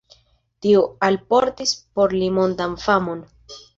Tio alportis por li mondan famon.